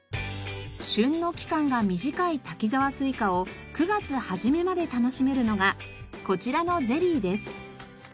旬の期間が短い滝沢スイカを９月初めまで楽しめるのがこちらのゼリーです。